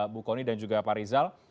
bu kony dan juga pak rizal